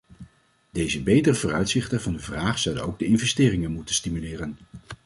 Deze betere vooruitzichten van de vraag zouden ook de investeringen moeten stimuleren.